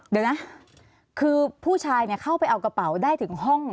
เดี๋ยวนะคือผู้ชายเข้าไปเอากระเป๋าได้ถึงห้อง